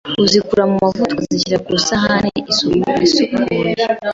uzikura mu mavuta ukazishyira ku isahane isukuye ;